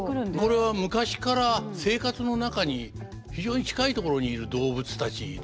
これは昔から生活の中に非常に近いところにいる動物たちですよね。